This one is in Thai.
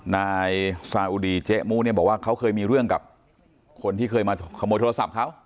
นายซาอุดีเจ๊มู้เนี่ยบอกว่าเขาเคยมีเรื่องกับคนที่เคยมาขโมยโทรศัพท์เขา